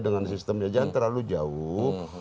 dengan sistemnya jangan terlalu jauh